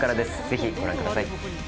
ぜひご覧ください。